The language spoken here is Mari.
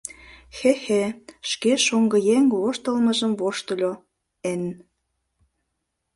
— Хе-хе! — шке шоҥгыеҥ воштылмыжым воштыльо Энн.